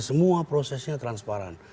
semua prosesnya transparan